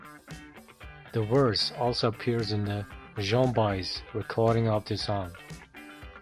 The verse also appears in the Joan Baez recording of the song.